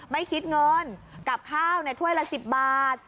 ไม่คิดเงินกับข้าวในถ้วยละ๑๐บาท